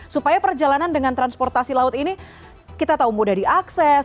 supaya perjalanan dengan transportasi laut ini kita tahu mudah diakses